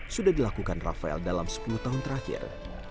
sudah dilakukan rafael dalam sepuluh tahun terakhir